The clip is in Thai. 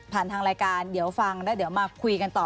ทางรายการเดี๋ยวฟังแล้วเดี๋ยวมาคุยกันต่อ